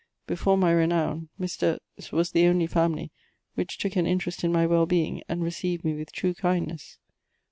Before my renown, Mr. 's was the only family which took an mterest in my well being, and received me with true kindness.